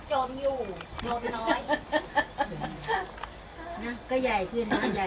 โดยรู้ว่าพรีมภาษาออกก็ไม่จ้าง